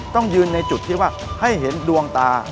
ต้องยืนในจุดที่ว่าให้เห็นดวงตา